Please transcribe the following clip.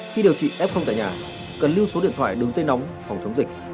khi điều trị f tại nhà cần lưu số điện thoại đường dây nóng phòng chống dịch